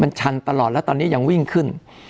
มันชันตลอดแล้วตอนนี้ยังวิ่งขึ้น